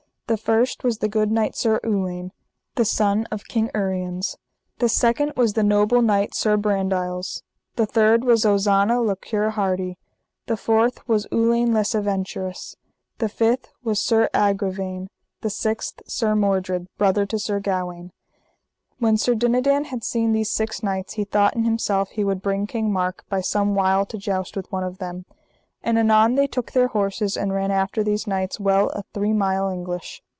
The first was the good knight Sir Uwaine, the son of King Uriens, the second was the noble knight Sir Brandiles, the third was Ozana le Cure Hardy, the fourth was Uwaine les Aventurous, the fifth was Sir Agravaine, the sixth Sir Mordred, brother to Sir Gawaine. When Sir Dinadan had seen these six knights he thought in himself he would bring King Mark by some wile to joust with one of them. And anon they took their horses and ran after these knights well a three mile English.